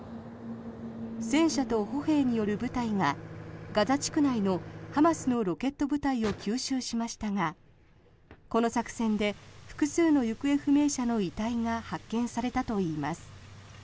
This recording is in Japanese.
戦車と歩兵による部隊がガザ地区内のハマスのロケット部隊を急襲しましたがこの作戦で複数の行方不明者の遺体が発見されたといいます。